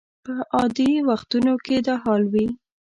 په عادي وختونو کې دا حال وي.